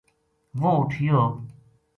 وہ اُٹھیو